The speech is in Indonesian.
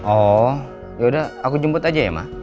oh yaudah aku jemput aja ya ma